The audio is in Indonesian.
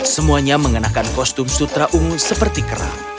semuanya mengenakan kostum sutra ungu seperti kerang